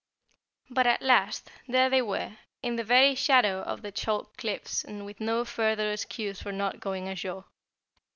But at last there they were in the very shadow of the chalk cliffs and with no further excuse for not going ashore.